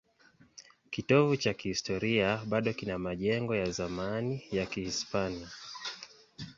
Kitovu cha kihistoria bado kina majengo ya zamani ya Kihispania.